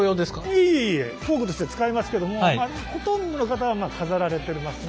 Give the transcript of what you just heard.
いえいえ工具として使えますけどもほとんどの方は飾られてますね。